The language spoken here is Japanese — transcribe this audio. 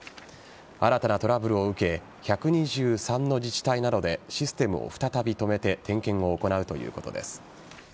新たなトラブルを受け１２３の自治体などでシステムを再び止めて点検を行うということです。